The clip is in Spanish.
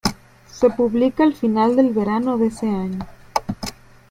Se publica al final del verano de ese año.